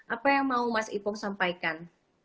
apa yang mau mas ipong sampaikan